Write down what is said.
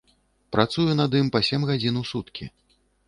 Працую над ім па сем гадзін у суткі.